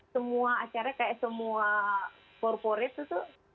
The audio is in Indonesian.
semua acaranya kayak semua for for it tuh tuh